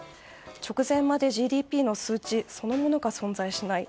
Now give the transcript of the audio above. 直前までＧＤＰの数値そのものが存在しない